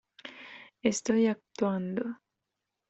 Estoy actuando.